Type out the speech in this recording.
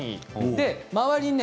で周りにね